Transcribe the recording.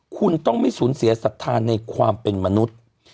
คุณต้องไม่สูญเสียศรัทธาในความเป็นมนุษย์